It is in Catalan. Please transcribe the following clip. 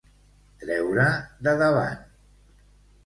Treure de davant.